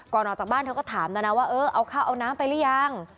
ก่อนออกจากบ้านเธอก็ถามนะว่าเอ้อเอาข้าวเอาน้ำไปรึยัง